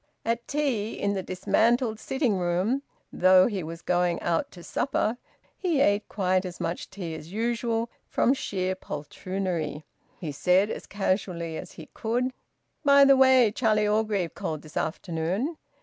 At tea in the dismantled sitting room, though he was going out to supper, he ate quite as much tea as usual, from sheer poltroonery. He said as casually as he could "By the way, Charlie Orgreave called this afternoon."